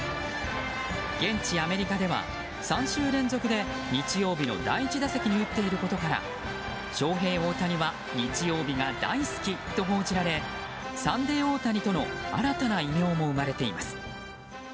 現地アメリカでは３週連続で日曜日の第１打席に打っていることからショウヘイ・オオタニは日曜日が大好きと報じられサンデーオオタニとの新たな異名も生まれています。